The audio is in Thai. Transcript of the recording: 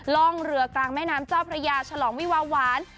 ร่องเรือกลางแม่น้ำเจ้าพระยาฉลองวิวาหวาน